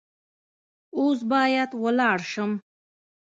اوس باید ولاړ شم .